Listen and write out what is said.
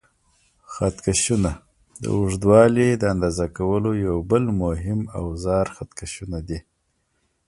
خط کشونه: د اوږدوالي د اندازه کولو یو بل مهم اوزار خط کشونه دي.